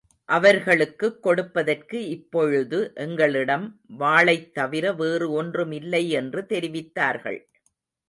அவர்களுக்குக் கொடுப்பதற்கு இப்பொழுது எங்களிடம் வாளைத் தவிர வேறு ஒன்றும் இல்லை என்று தெரிவித்தார்கள்.